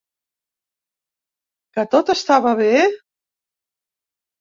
Que tot estava bé?